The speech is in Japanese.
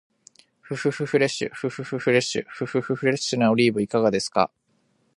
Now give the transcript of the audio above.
ふふふフレッシュ、ふふふフレッシュ、ふふふフレッシュなオリーブいかがですか？